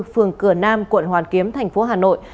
phường cửa nam quận hoàn kiếm thành phố hà nội